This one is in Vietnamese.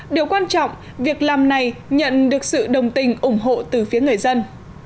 điều quan trọng việc làm này nhận được sự đồng tình ủng hộ từ phía người dân